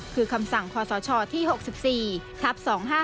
คือคำสั่งคอสชที่๖๔ทัพ๒๕๕๗